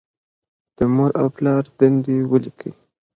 د مور او پلار دندې ولیکئ.